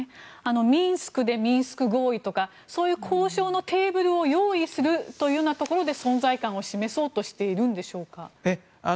ミンスクでミンスク合意とかそういう交渉のテーブルを用意するというようなところで存在感を示そうとしているのでしょうか。